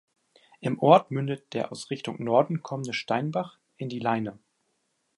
Im Ort mündet der aus Richtung Norden kommende "Steinbach" in die "Leine".